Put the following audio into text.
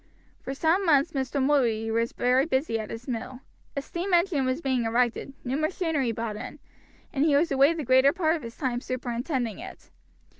For some months Mr. Mulready was very busy at his mill. A steam engine was being erected, new machinery brought in, and he was away the greater part of his time superintending it.